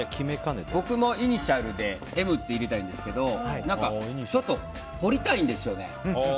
僕もイニシャルでＭって入れたいんですがちょっと彫りたいんですよね。